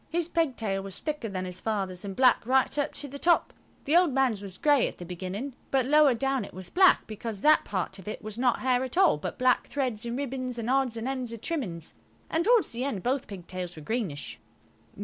His pigtail was thicker than his father's and black right up to the top. The old man's was grey at the beginning, but lower down it was black, because that part of it was not hair at all, but black threads and ribbons and odds and ends of trimmings, and towards the end both pigtails were greenish.